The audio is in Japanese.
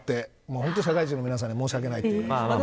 本当に、社会人の皆さんに申し訳ないという。